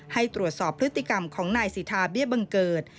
ให้ตรวจสอบพฤติกรรมของนายสิทธาเบี้ยบังเกิด